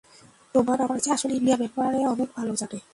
তোমার আমার চেয়ে আসল ইন্ডিয়া ব্যাপারে অনেক ভালো জানো।